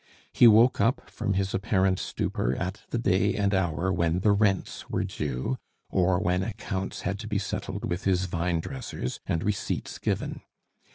He woke up from his apparent stupor at the day and hour when the rents were due, or when accounts had to be settled with his vine dressers, and receipts given.